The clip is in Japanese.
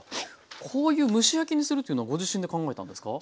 こういう蒸し焼きにするっていうのはご自身で考えたんですか？